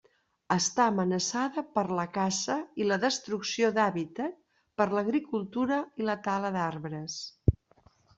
Està amenaçada per la caça i la destrucció d'hàbitat per l'agricultura i la tala d'arbres.